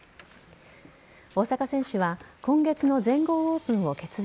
大坂選手は今月の全豪オープンを欠場。